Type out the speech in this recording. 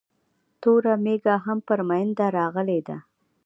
توره مېږه هم پر مينده راغلې ده